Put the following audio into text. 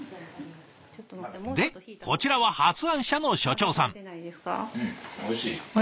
でこちらは発案者の所長さん。